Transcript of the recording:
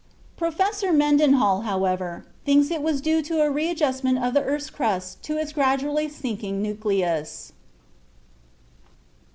Professor Mendenhall, however, thinks it was due to a readjustment of the earth's crust to its gradually sinking nucleus.